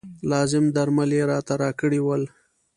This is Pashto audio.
لازم درمل یې راته راکړي ول.